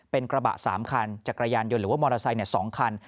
เป็นกระบะ๓คันจักรยานยนต์หรือว่ามอเตอร์ไซค์๒คัน